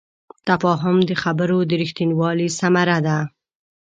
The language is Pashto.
تفاهم د خبرو د رښتینوالي ثمره ده.